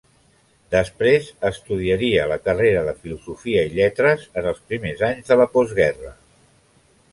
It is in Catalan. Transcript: Després estudiaria la carrera de Filosofia i Lletres en els primers anys de la postguerra.